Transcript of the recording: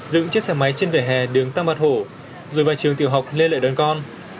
dựng chiếc xe máy trên vẻ hè đường tăng bạc hổ rồi vào trường tiểu học lê lợi đón con